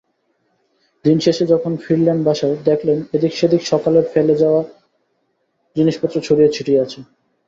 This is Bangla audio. দিনশেষে যখন ফিরলেন বাসায়, দেখলেন এদিক-সেদিক সকালের ফেলে যাওয়া জিনিসপত্র ছড়িয়ে-ছিটিয়ে আছে।